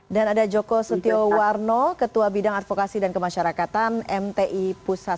dan ada joko setiowarno ketua bidang advokasi dan kemasyarakatan mti pusat